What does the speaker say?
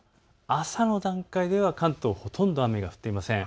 朝の段階では関東、ほとんど雨は降っていません。